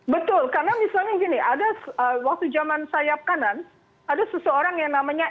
betul karena misalnya gini ada waktu zaman sayap kanan ada seseorang yang namanya